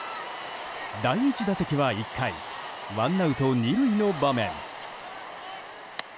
第１打席は、１回ワンアウト２塁の場面。